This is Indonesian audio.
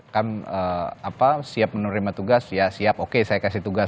kan siap menerima tugas ya siap oke saya kasih tugas